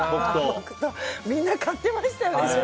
みんな買ってましたよね。